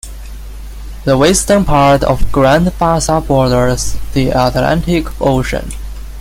The western part of Grand Bassa borders the Atlantic Ocean.